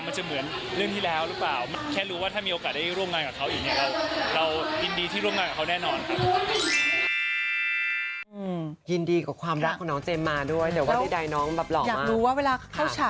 มันจะเหมือนเรื่องที่แล้วหรือเปล่า